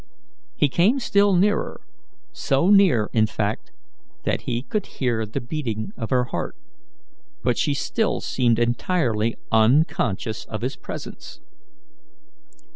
He came still nearer so near, in fact, that he could hear the beating of her heart but she still seemed entirely unconscious of his presence.